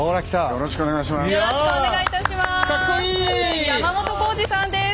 よろしくお願いします。